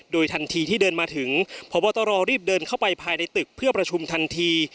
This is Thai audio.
โดยทันทีที่เดินมาถึงพบตรรีบเดินเข้าไปภายในตึกเพื่อประชุมทันที